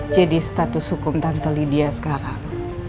jadi status hukum tante lydia sekarang